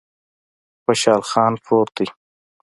خوشحال خان پروت دی